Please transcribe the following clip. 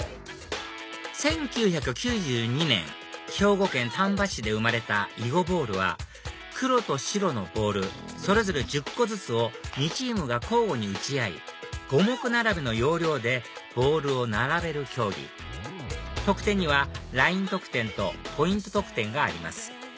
１９９２年兵庫県丹波市で生まれた囲碁ボールは黒と白のボールそれぞれ１０個ずつを２チームが交互に打ち合い五目並べの要領でボールを並べる競技得点にはライン得点とポイント得点があります